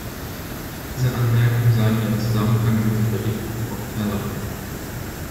Diese Anmerkung sei mir im Zusammenhang mit dem Bericht Brok erlaubt.